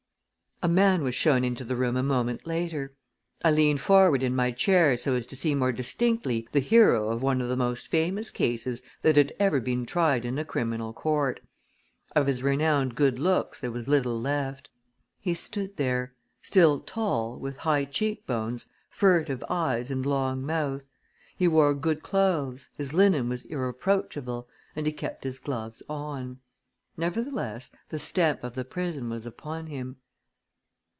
A man was shown into the room a moment later. I leaned forward in my chair so as to see more distinctly the hero of one of the most famous cases that had ever been tried in a criminal court. Of his renowned good looks there was little left. He stood there, still tall, with high cheekbones, furtive eyes and long mouth. He wore good clothes, his linen was irreproachable, and he kept his gloves on. Nevertheless the stamp of the prison was upon him.